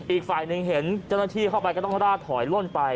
อีกฝ่ายหนึ่งเห็นเจ้าหน้าที่เข้าไปก็ต้องราดถอยล่นไป